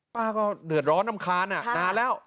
ป้าก็เดือดร้อนรำคาญนานแล้ว